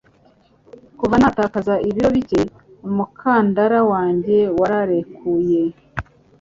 Kuva natakaza ibiro bike, umukandara wanjye wararekuye.